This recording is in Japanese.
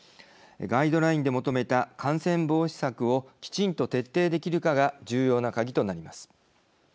ガイドラインで求めた感染防止策をきちんと徹底できるかが重要な鍵となります。